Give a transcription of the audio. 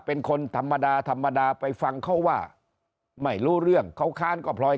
เป็นคนธรรมดาธรรมดาไปฟังเขาว่าไม่รู้เรื่องเขาค้านก็พลอย